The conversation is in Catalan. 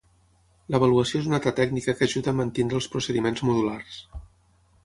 L'avaluació és una altra tècnica que ajuda a mantenir els procediments modulars.